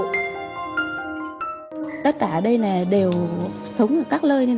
tất cả ở đây đều sống ở các lơi